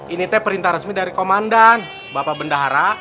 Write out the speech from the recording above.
ini teh perintah resmi dari komandan bapak bendahara